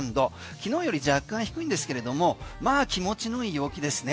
昨日より若干低いんですけれども気持ちの良い陽気ですね。